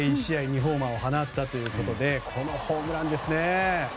２ホーマーを放ったということでこのホームランですね。